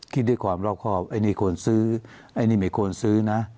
คิดด้วยความรอบครอบไอ้นี่ควรซื้อไอ้นี่ไม่ควรซื้อนะ